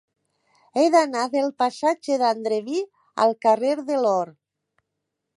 He d'anar del passatge d'Andreví al carrer de l'Or.